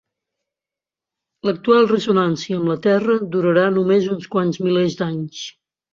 L'actual ressonància amb la Terra durarà només uns quants milers d'anys.